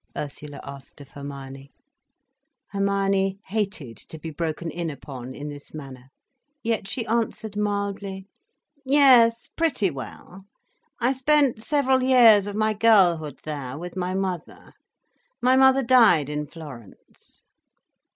Ursula asked of Hermione. Hermione hated to be broken in upon in this manner. Yet she answered mildly: "Yes, pretty well. I spent several years of my girlhood there, with my mother. My mother died in Florence."